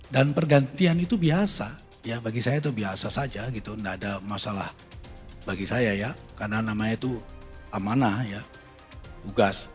dan pergantian itu biasa ya bagi saya itu biasa saja gitu enggak ada masalah bagi saya ya karena namanya itu amanah ya tugas